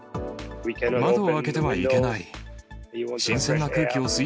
窓を開けてはいけない。